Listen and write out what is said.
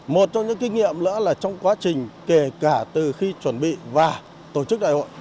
một trong những kinh nghiệm nữa là trong quá trình kể cả từ khi chuẩn bị và tổ chức đại hội